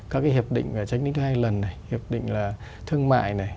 các hiệp định tránh đính thứ hai lần hiệp định thương mại